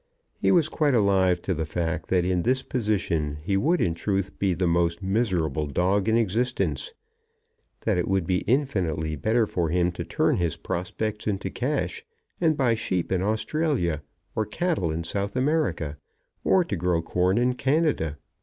He was quite alive to the fact that in this position he would in truth be the most miserable dog in existence, that it would be infinitely better for him to turn his prospects into cash, and buy sheep in Australia, or cattle in South America, or to grow corn in Canada.